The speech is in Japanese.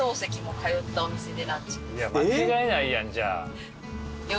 間違いないやんじゃあ。